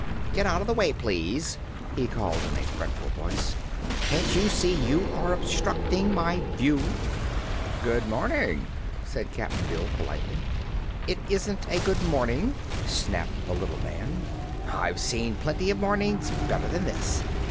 "Get out of the way, please," he called in a fretful voice. "Can't you see you are obstructing my view?" "Good morning," said Cap'n Bill, politely. "It isn't a good morning!" snapped the little man. "I've seen plenty of mornings better than this.